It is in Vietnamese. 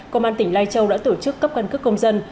công an tỉnh lai châu đã tổ chức cấp căn cước công dân